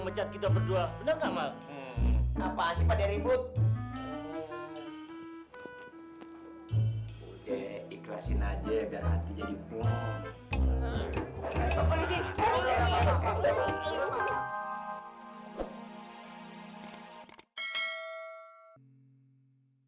lihat kita berdua benar benar apaan sifatnya ribut udah ikhlasin aja biar hati jadi buah